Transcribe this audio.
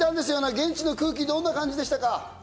現地の空気、どんな感じでした？